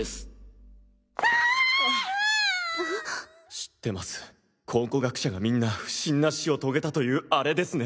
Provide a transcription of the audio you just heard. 知ってます考古学者がみんな不審な死をとげたというアレですね！